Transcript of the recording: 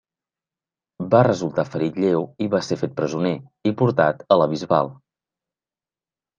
Va resultar ferit lleu i va ser fet presoner, i portat a la Bisbal.